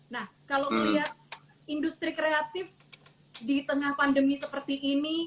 nah kalau melihat industri kreatif di tengah pandemi seperti ini